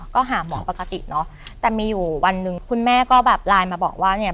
ก็หาหมอปกติเนอะแต่มีอยู่วันหนึ่งคุณแม่ก็แบบไลน์มาบอกว่าเนี่ย